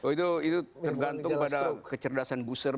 itu tergantung pada kecerdasan booster